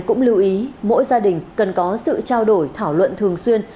cũng lưu ý mỗi gia đình cần có sự trao đổi thảo luận thường xuyên